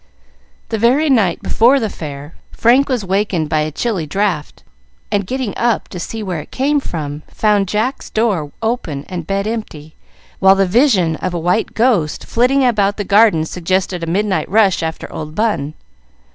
The very night before the Fair, Frank was wakened by a chilly draught, and, getting up to see where it came from, found Jack's door open and bed empty, while the vision of a white ghost flitting about the garden suggested a midnight rush after old Bun.